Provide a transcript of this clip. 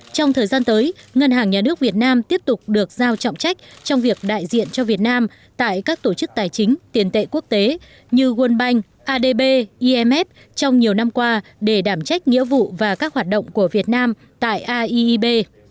trong thời gian tới ngân hàng nhà nước việt nam tiếp tục được giao trọng trách trong việc đại diện cho việt nam tại các tổ chức tài chính tiền tệ quốc tế như world bank adb imf trong nhiều năm qua để đảm trách nhiệm vụ và các hoạt động của việt nam tại aib